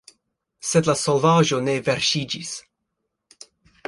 Sed la solvaĵo ne verŝiĝis.